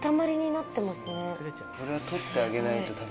これは取ってあげないとだめ。